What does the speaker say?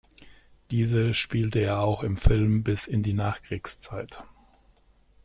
Diese spielte er auch im Film bis in die Nachkriegszeit.